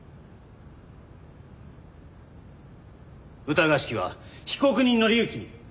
「疑わしきは被告人の利益に」。